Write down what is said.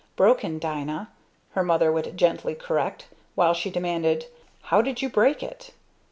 "Broken, Dina," her Mother would gently correct, while he demanded, "How did you break it?"